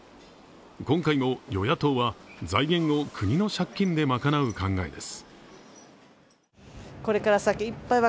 今回も与野党は財源を国の借金で賄う考えです。